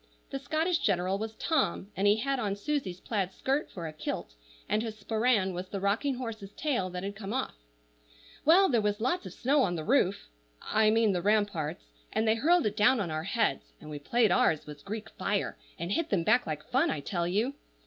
The Scottish general was Tom, and he had on Susie's plaid skirt for a kilt, and his sporran was the rocking horse's tail that had come off. Well, there was lots of snow on the roof,—I mean the ramparts, and they hurled it down on our heads, and we played ours was Greek fire, and hit them back like fun, I tell you.